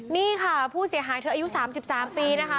นี่ค่ะผู้เสียหายเธออายุ๓๓ปีนะคะ